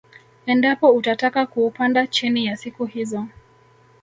Endapo utataka kuupanda chini ya siku hizo